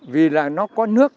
vì là nó có nước